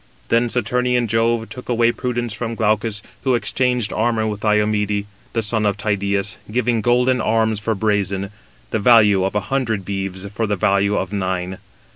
Then Saturnian Jove took away prudence from Glaucus, who exchanged armour with Diomede, the son of Tydeus, [giving] golden [arms] for brazen; the value of a hundred beeves 248 for the value of nine.